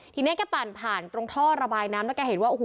ทีนี้แกปั่นผ่านตรงท่อระบายน้ำแล้วแกเห็นว่าโอ้โห